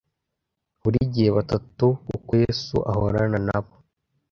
buri gihe batatu kuko yesu ahorana nabo